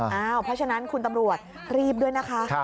เพราะฉะนั้นคุณตำรวจรีบด้วยนะคะ